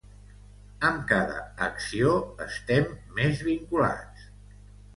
Amb cada acció estem més vinculats.